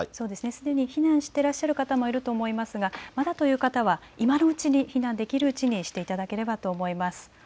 すでに避難している方もいると思いますが、まだという方は今のうちに、避難できるうちにしていただければと思います。